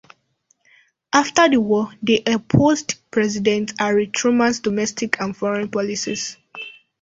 After the war, they opposed President Harry Truman's domestic and foreign policies.